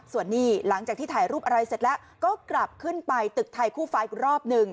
ส่วนนี้หลังจากที่ถ่ายรูปอะไรเสร็จแล้วก็กลับขึ้นไปตึกไทยคู่ฟ้าอีกรอบหนึ่ง